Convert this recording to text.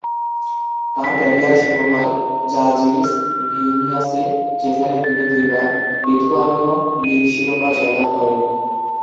তার ক্যারিয়ার শুরু হয় জালজিরিস ভিলনিয়াসে, যেখানে তিনি দুইবার লিথুয়ানীয় লীগ শিরোপা জয়লাভ করেন।